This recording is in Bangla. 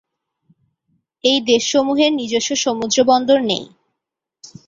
এই দেশসমূহের নিজস্ব সমুদ্রবন্দর নেই।